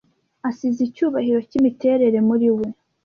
asize icyubahiro cyimiterere muriwe